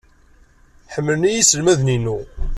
Ḥemmlen-iyi yiselmaden-inu.